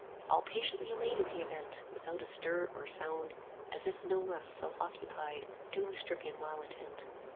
All patiently awaited the event Without a stir or sound, as if no less Self occupied, doomstricken while attent.